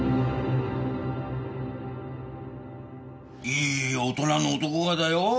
いい大人の男がだよ